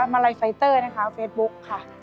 มาลัยไฟเตอร์นะคะเฟซบุ๊กค่ะ